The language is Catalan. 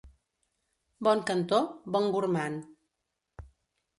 Bon cantor, bon gormand.